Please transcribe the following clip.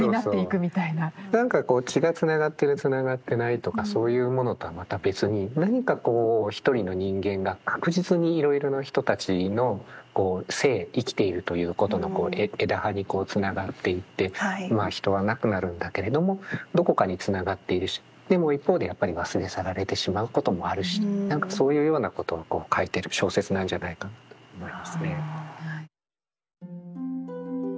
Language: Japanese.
何かこう血がつながってるつながってないとかそういうものとはまた別に何かこう一人の人間が確実にいろいろな人たちのこう生生きているということの枝葉につながっていってまあ人は亡くなるんだけれどもどこかにつながっているしでも一方でやっぱり忘れ去られてしまうこともあるし何かそういうようなことを書いてる小説なんじゃないかと思いますね。